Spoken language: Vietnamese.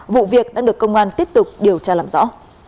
vụ việc đã được công an tiếp tục điều tra làm rõ